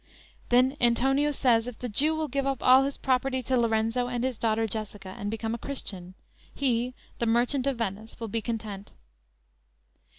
"_ Then Antonio says if the Jew will give up all his property to Lorenzo and his daughter Jessica, and become a Christian, he the "Merchant of Venice," will be content.